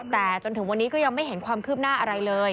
แต่จนถึงวันนี้ก็ยังไม่เห็นความคืบหน้าอะไรเลย